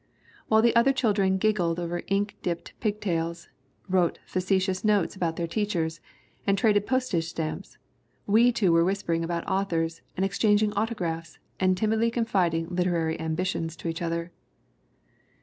While the other children giggled over ink dipped pig tails, wrote facetious notes about their teachers, and traded postage stamps, we two were whispering about authors and exchanging autographs and timidly con fiding literary ambitions to each other.